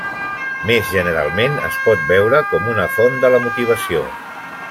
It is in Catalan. Més generalment, es pot veure com una font de la motivació.